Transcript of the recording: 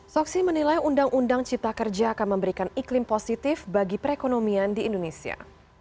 soksi menilai undang undang cipta kerja akan memberikan iklim positif bagi perekonomian di indonesia